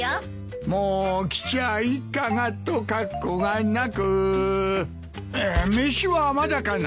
「もうおきちゃいかがとかっこうがなく」めしはまだかな。